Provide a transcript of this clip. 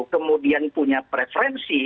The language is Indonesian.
kemudian punya preferensi